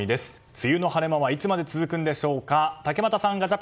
梅雨の晴れ間はいつまで続くんでしょうか。